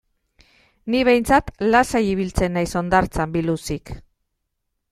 Ni behintzat lasai ibiltzen naiz hondartzan biluzik.